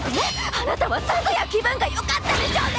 あなたはさぞや気分がよかったでしょうね！